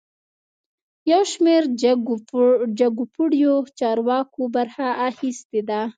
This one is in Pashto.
یوشمیر جګپوړیو چارواکو برخه اخیستې ده